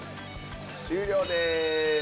終了です。